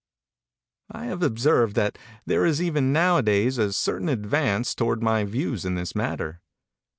I have observed that there is even nowadays a certain advance towards my views in this matter.